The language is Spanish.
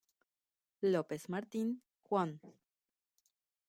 López Martín, Juan.